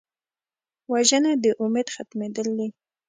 وژنه د امید ختمېدل دي